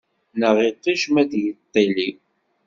Neɣ iṭij ma d-yiṭṭili.